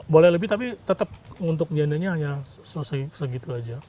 boleh lebih tapi tetap untuk jandanya hanya segitu aja